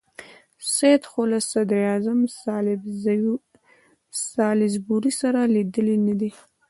سید خو له صدراعظم سالیزبوري سره لیدلي نه دي.